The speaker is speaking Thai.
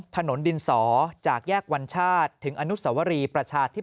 ถนนดินสอจากแยกวัญชาติถึงอนุสวรีประชาธิป